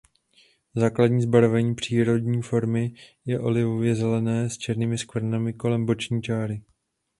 Základní zbarvení přírodní formy je olivově zelené s černými skvrnami kolem boční čáry.